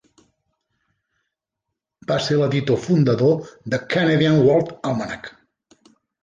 Va ser l'editor fundador de "Canadian World Almanac".